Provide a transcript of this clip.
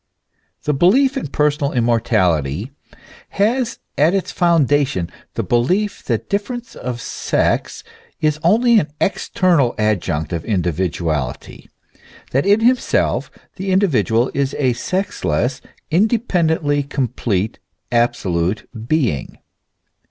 The belief in personal immortality has at its foundation the belief that difference of sex is only an ex ternal adjunct of individuality, that in himself the individual is a sexless, independently complete, absolute being.